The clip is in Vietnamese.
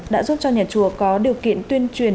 đã giúp cho nhà chùa có điều kiện tuyên truyền